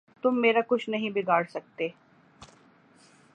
تم میرا کچھ نہیں بگاڑ سکتے۔